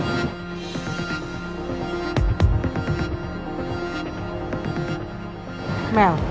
mel kalau saya tahu ini kantor papa kamu